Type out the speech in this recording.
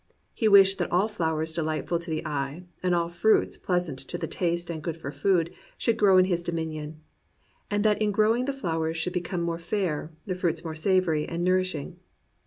He wished that all flowers delightful to the eye, and all fruits pleas ant to the taste and good for food, should grow in Hs dominion, and that in growing the flowers should become more fair, the fruits more savoury and nour ishing.